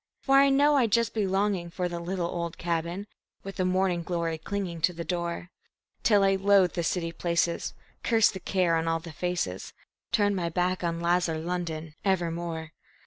For I know I'd just be longing for the little old log cabin, With the morning glory clinging to the door, Till I loathed the city places, cursed the care on all the faces, Turned my back on lazar London evermore.